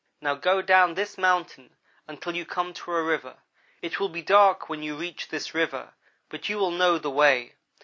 Now go down this mountain until you come to a river. It will be dark when you reach this river, but you will know the way.